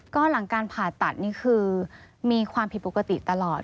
ก็หลังการผ่าตัดนี่คือมีความผิดปกติตลอด